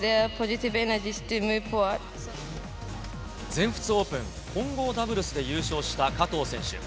全仏オープン混合ダブルスで優勝した加藤選手。